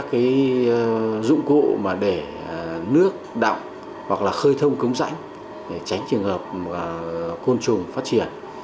các dụng cụ mà để nước đọng hoặc là khơi thông cống rãnh để tránh trường hợp côn trùng phát triển